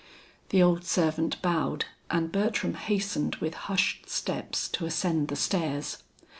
The old servant bowed and Bertram hastened with hushed steps to ascend the stairs.